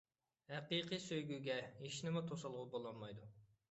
ھەقىقىي سۆيگۈگە ھېچنېمە توسالغۇ بولالمايدۇ.